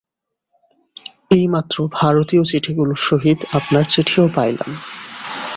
এইমাত্র ভারতীয় চিঠিগুলির সহিত আপনার চিঠিও পাইলাম।